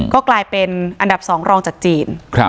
ก็กลายเป็นอันดับ๒รองจากจีน